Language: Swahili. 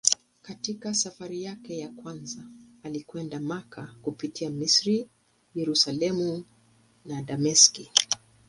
Katika safari yake ya kwanza alikwenda Makka kupitia Misri, Yerusalemu na Dameski.